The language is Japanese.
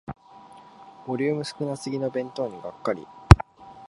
ボリューム少なすぎの弁当にがっかり